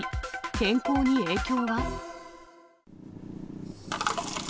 健康に影響は？